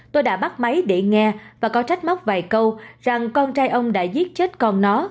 tôi đã bắt máy để nghe và có trách móc vài câu rằng con trai ông đã giết chết còn nó